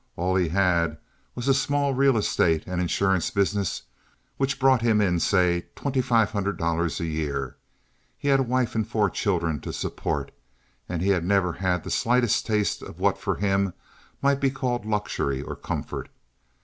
All he had was a small real estate and insurance business which brought him in, say, twenty five hundred dollars a year. He had a wife and four children to support, and he had never had the slightest taste of what for him might be called luxury or comfort.